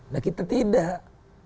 nah kita tidak